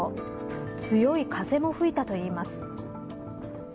強い風も吹いたといいます。